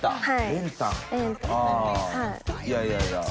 ああいやいやいや。